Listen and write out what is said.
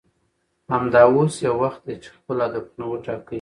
همدا اوس یې وخت دی چې خپل هدفونه وټاکئ